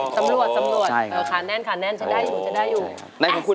อ๋อต้องมองก่อนครับ